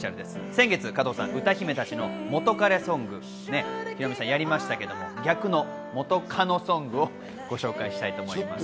先月、歌姫たちの元カレソングやりましたけれども、逆の元カノソングをご紹介したいと思います。